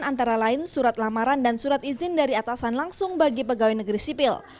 antara lain surat lamaran dan surat izin dari atasan langsung bagi pegawai negeri sipil